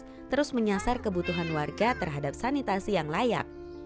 yang terus menyasar kebutuhan warga terhadap sanitasi yang layak